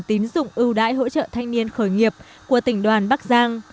tín dụng ưu đãi hỗ trợ thanh niên khởi nghiệp của tỉnh đoàn bắc giang